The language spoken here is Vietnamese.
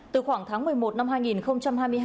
từ khoảng tháng một mươi một năm hai nghìn hai mươi hai